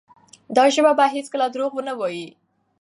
دا ژبه به هیڅکله درواغ ونه وایي.